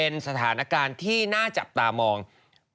เป็นสถานการณ์ที่น่าจับตามอง